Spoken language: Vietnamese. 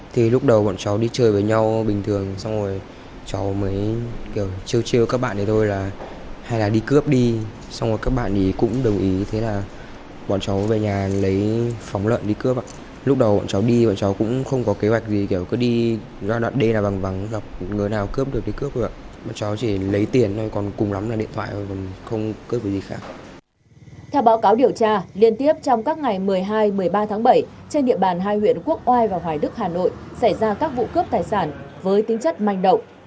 theo báo cáo điều tra liên tiếp trong các ngày một mươi hai một mươi ba tháng bảy trên địa bàn hai huyện quốc oai và hoài đức hà nội xảy ra các vụ cướp tài sản với tính chất manh động